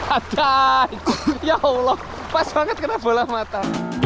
ada ya allah pas banget kena bola mata